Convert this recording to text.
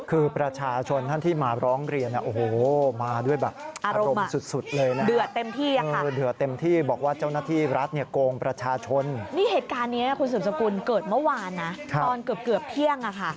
คุณเกิดเมื่อวานนะตอนเกือบเกือบเที่ยง